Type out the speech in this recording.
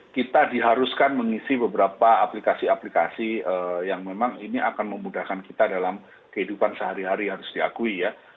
kita diharuskan mengisi beberapa aplikasi aplikasi yang memang ini akan memudahkan kita dalam kehidupan sehari hari harus diakui ya